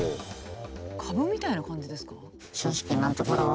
株みたいな感じですか？